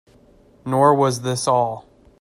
Nor was this all.